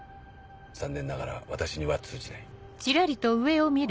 残念ながら私には通じない。